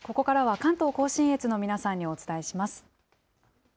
関東甲信越の皆さんにお伝えします。